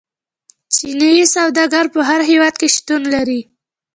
چیني سوداګر په هر هیواد کې شتون لري.